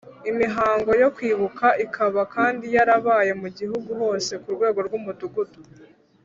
Imihango yo kwibuka ikaba kandi yarabaye mu Gihugu hose ku rwego rw Umudugudu